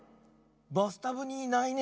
バスタブにいないね。